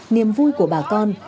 niềm vui của bà con